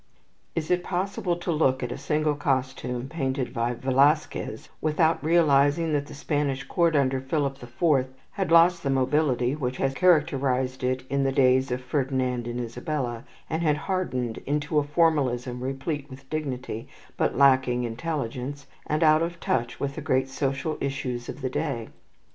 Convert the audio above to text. Is it possible to look at a single costume painted by Velasquez without realizing that the Spanish court under Philip the Fourth had lost the mobility which has characterized it in the days of Ferdinand and Isabella, and had hardened into a formalism, replete with dignity, but lacking intelligence, and out of touch with the great social issues of the day?